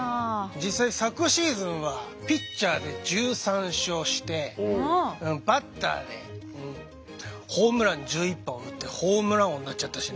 実際昨シーズンはピッチャーで１３勝してバッターでホームラン１１本打ってホームラン王になっちゃったしね。